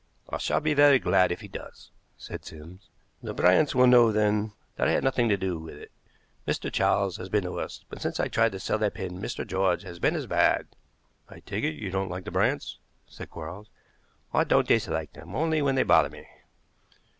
"I shall be very glad if he does," said Sims. "The Bryants will know then that I had nothing to do with it. Mr. Charles has been the worst; but since I tried to sell that pin Mr. George has been as bad." "I take it you don't like the Bryants," said Quarles. "I don't dislike them, only when they bother me."